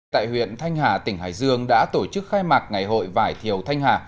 tại huyện thanh hà tỉnh hải dương đã tổ chức khai mạc ngày hội vải thiều thanh hà